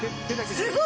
すごい！